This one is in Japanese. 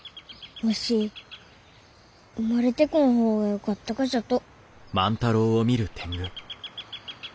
わし生まれてこん方がよかったがじゃと。